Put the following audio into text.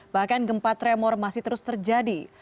bahkan gempa tremor masih terus terjadi